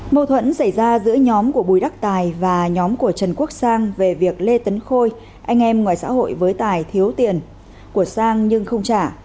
mâu thuẫn xảy ra giữa nhóm của bùi đắc tài và nhóm của trần quốc sang về việc lê tấn khôi anh em ngoài xã hội với tài thiếu tiền của sang nhưng không trả